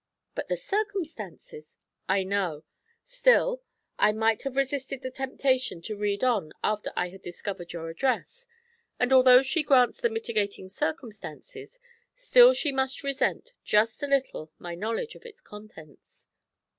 'But the circumstances ' 'I know. Still, I might have resisted the temptation to read on after I had discovered your address, and although she grants the mitigating circumstances, still she must resent, just a little, my knowledge of its contents.'